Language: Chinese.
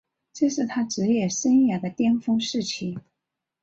这是他职业生涯的巅峰时期。